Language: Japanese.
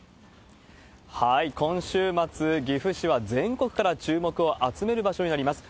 今週末、岐阜市は全国から注目を集める場所になります。